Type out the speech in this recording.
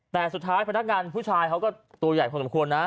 แต่สุดท้ายพนักงานผู้ชายเขาก็ตัวใหญ่พอสมควรนะ